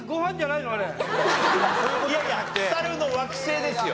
いやいや『猿の惑星』ですよ。